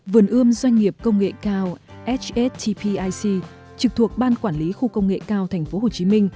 vườn ươm doanh nghiệp công nghệ cao sstic trực thuộc ban quản lý khu công nghệ cao tp hcm